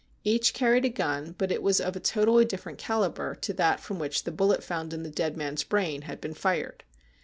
Each carried a gun, but it was of a totally different calibre to that from which the bullet found in the dead man's brain had been fired.